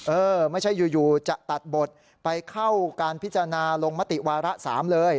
เออไม่ใช่อยู่จะตัดบทไปเข้าการพิจารณาลงมติวาระ๓เลย